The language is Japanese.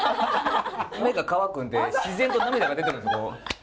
目が乾くんで自然と涙が出てくるんですよ。